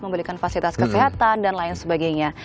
memberikan fasilitas kesehatan dan lain sebagainya